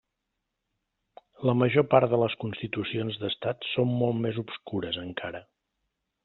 La major part de les constitucions d'estat són molt més obscures encara.